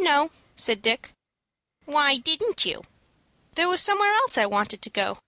"No," said Dick. "Why didn't you?" "There was somewhere else I wanted to go."